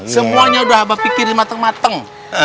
semuanya udah abah pikir di mateng mateng